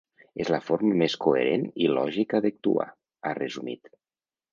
“És la forma més coherent i lògica d’actuar”, ha resumit.